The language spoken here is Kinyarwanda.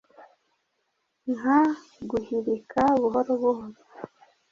Nka guhirika buhoro buhoro